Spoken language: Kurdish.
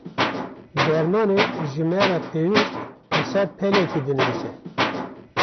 Dermanê ji me re pêwîst li ser pelekê dinivîse.